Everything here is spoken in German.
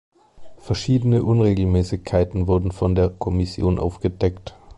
Verschiedene Unregelmäßigkeiten wurden von der Kommission aufgedeckt.